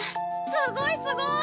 すごいすごい！